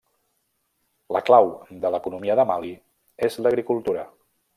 La clau de l'economia de Mali és l'agricultura.